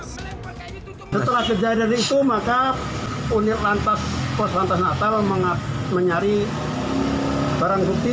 setelah kejadian itu maka unit lantas pos lantas natal menyari barang bukti